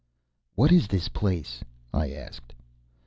_ "What is this place?" I asked.